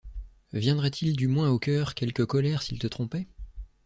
viendrait-il du moins au cœur quelque colère S’il te trompait?